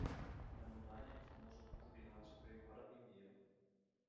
La montagna è un famoso punto di lancio per il parapendio.